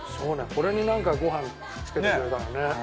これに、なんかご飯くっつけてくれたらね。